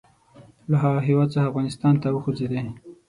له هغه هیواد څخه افغانستان ته وخوځېدی.